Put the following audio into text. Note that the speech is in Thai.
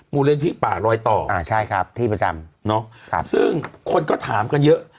มูลนิธิป่าลอยต่ออ่าใช่ครับที่ประจำเนาะซึ่งคนก็ถามกันเยอะ